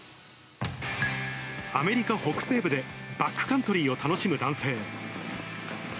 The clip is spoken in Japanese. アメリカ北西部で、バックカントリーを楽しむ男性。